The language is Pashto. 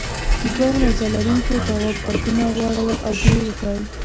دوو نیزه لرونکو تواب غوږونه واړول او بوی یې کړ.